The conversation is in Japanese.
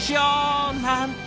なんて